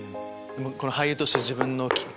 俳優として自分の。